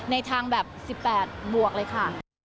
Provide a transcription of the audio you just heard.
ในทางแบบ๑๘บวกเลยค่ะ